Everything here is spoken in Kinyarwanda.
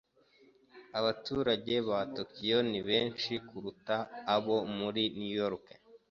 Abaturage ba Tokiyo ni benshi kuruta abo muri New York.